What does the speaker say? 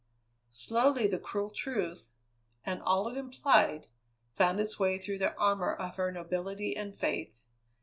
Slowly the cruel truth, and all it implied, found its way through the armour of her nobility and faith.